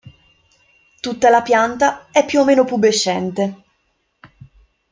Tutta la pianta è più o meno pubescente.